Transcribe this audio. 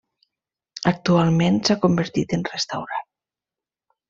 Actualment s'ha convertit en restaurant.